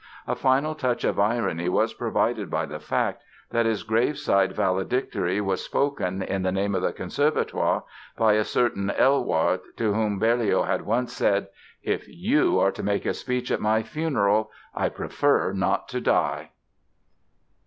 A final touch of irony was provided by the fact that his graveside valedictory was spoken, in the name of the Conservatoire, by a certain Elwart, to whom Berlioz had once said: "If you are to make a speech at my funeral I prefer not to die!"